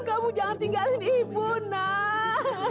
kamu jangan tinggalin ibu nak